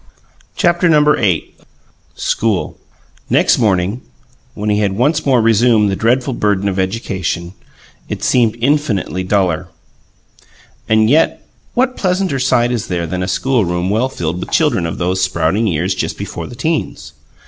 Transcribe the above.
CHAPTER VIII SCHOOL Next morning, when he had once more resumed the dreadful burden of education, it seemed infinitely duller. And yet what pleasanter sight is there than a schoolroom well filled with children of those sprouting years just before the 'teens?